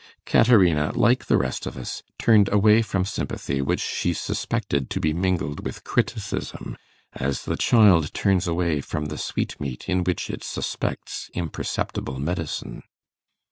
Caterina, like the rest of us, turned away from sympathy which she suspected to be mingled with criticism, as the child turns away from the sweetmeat in which it suspects imperceptible medicine.